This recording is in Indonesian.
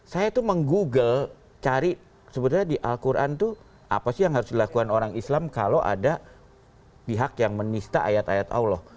saya tuh meng google cari sebenarnya di al quran itu apa sih yang harus dilakukan orang islam kalau ada pihak yang menista ayat ayat allah